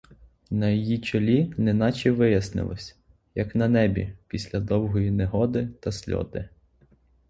На її чолі неначе вияснилось, як на небі після довгої негоди та сльоти.